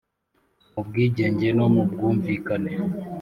Mu bwigenge no mu bwumvikane.